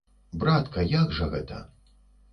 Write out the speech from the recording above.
Братка, як жа гэта?!